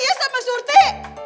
ya sama surti